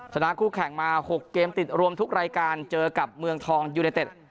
ชนะคู่แข่งมา๖เกมติดรวมทุกรายการเจอกับเมืองทองยูเนเต็ด